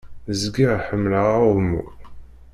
Zgiɣ ḥemmleɣ aɛummu.